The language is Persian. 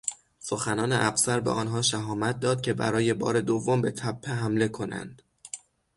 سخنان افسر به آنهاشهامت داد که برای بار دوم به تپه حمله کنند.